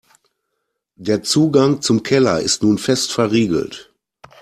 Der Zugang zum Keller ist nun fest verriegelt.